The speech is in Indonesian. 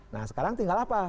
nah sekarang tinggal apa